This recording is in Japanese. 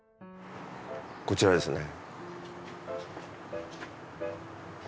こちらですね。